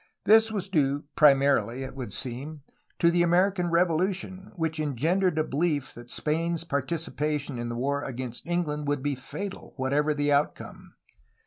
This was due prinlarily, it would seem, to the American Revolution, which engendered a belief that Spain's participation in the war against England would be fatal, whatever the out come.